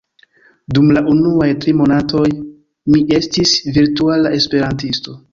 dum la unuaj tri monatoj mi estis virtuala esperantisto